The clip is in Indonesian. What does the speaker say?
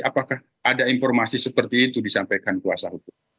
apakah ada informasi seperti itu disampaikan kuasa hukum